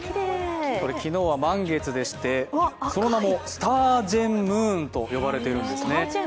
昨日は満月でしてその名もスタージェンムーンと呼ばれているんですね。